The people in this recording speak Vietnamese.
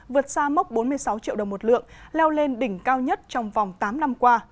vượt xa mốc bốn mươi sáu triệu đồng một lượng leo lên đỉnh cao nhất trong vòng tám năm qua